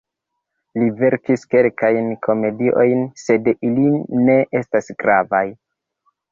Li verkis kelkajn komediojn, sed ili ne estas gravaj.